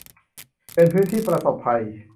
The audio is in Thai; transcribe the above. เป็นพื้นที่ประสบภัย